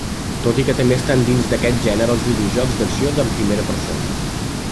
Tot i que també estan a dins d'aquest gènere els videojocs d'acció en primera persona.